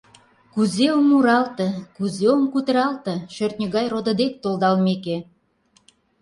Кузе ом муралте, кузе ом кутыралте, шӧртньӧ гай родо дек толдалмеке.